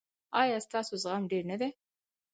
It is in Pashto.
ایا ستاسو زغم ډیر نه دی؟